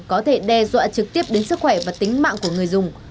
có thể đe dọa trực tiếp đến sức khỏe và tính mạng của người dùng